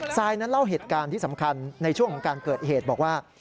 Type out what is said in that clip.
ซายนั้นเล่าเหตุการณ์ที่สำคัญในช่วงของการเกิดเหตุบอกว่า